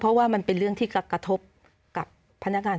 เพราะว่ามันเป็นเรื่องที่กระทบกับพนักงาน